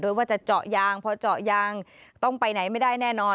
ว่าจะเจาะยางพอเจาะยางต้องไปไหนไม่ได้แน่นอน